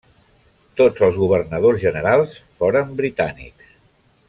Tots els governadors generals foren britànics.